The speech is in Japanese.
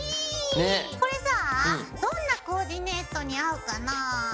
これさぁどんなコーディネートに合うかなぁ？